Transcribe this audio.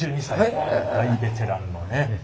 大ベテランのね。